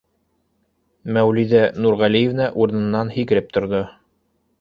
— Мәүлиҙә Нурғәлиевна урынынан һикереп торҙо.